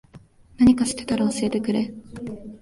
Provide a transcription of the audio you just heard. なにか知ってたら教えてくれ。